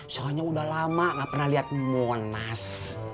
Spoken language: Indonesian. soalnya udah lama gak pernah lihat monas